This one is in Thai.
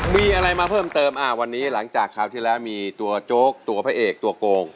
มีอะไรมาเพิ่มเติมวันนี้หลังจากคราวที่แล้วมีตัวโจ๊กตัวพระเอกตัวโกง